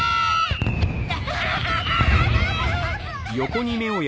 ハハハハ。